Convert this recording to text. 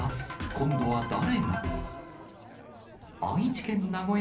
今度は誰が？